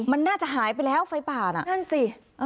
มันน่าจะหายไปแล้วไฟป่าน่ะนั่นสิ